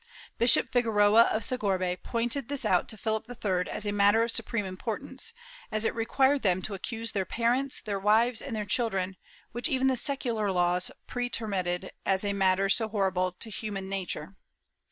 Bishop Figueroa of Segorbe pointed this out to Philip III as a matter of supreme importance, as it required them to accuse their parents, their wives and their chil dren, which even the secular laws pretermitted as a matter so horrible to human nature.